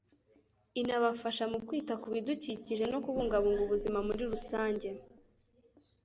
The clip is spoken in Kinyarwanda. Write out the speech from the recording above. Inabafasha mu kwita ku bidukikije no kubungabunga ubuzima muri rusange.